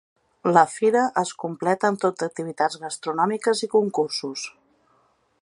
La fira es completa amb tot d’activitats gastronòmiques i concursos.